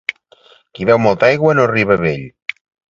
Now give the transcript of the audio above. Qui beu molta aigua no arriba a vell.